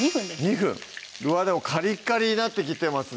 ２分うわでもカリカリになってきてますね